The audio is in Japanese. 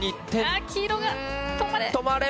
黄色が、止まれ。